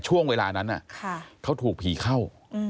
ช่วงเวลานั้นเขาถูกผีเข้า